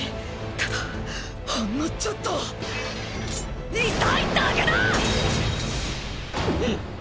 ただほんのちょっと痛いだけだっ！